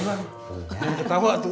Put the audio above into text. jangan ketawa tuh